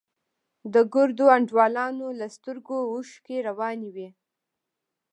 د ګردو انډيوالانو له سترگو اوښکې روانې وې.